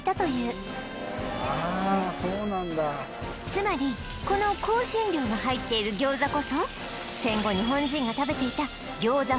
つまりこの香辛料が入っている餃子こそ戦後日本人が食べていた餃子